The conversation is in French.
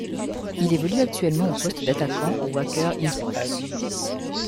Il évolue actuellement au poste d'attaquant au Wacker Innsbruck.